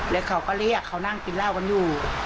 แล้วเขาก็เรียกเขานั่งกินเหล้ากันอยู่